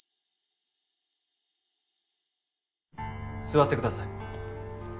座ってください。